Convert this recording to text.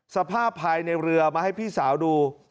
สภาพภายในเรือมาให้พี่สาวดู